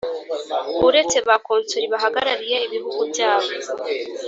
uretse ba konsuli bahagarariye ibihugu byabo